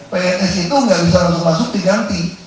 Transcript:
pns itu nggak bisa langsung masuk diganti